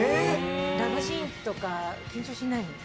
ラブシーンとか緊張しないの？